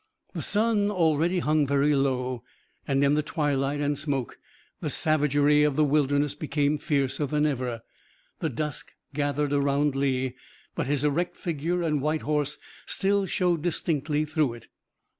The sun already hung very low, and in the twilight and smoke the savagery of the Wilderness became fiercer than ever. The dusk gathered around Lee, but his erect figure and white horse still showed distinctly through it.